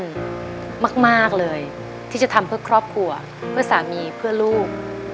มากเลยที่จะทำเพื่อครอบครัวเพื่อสามีเพื่อลูก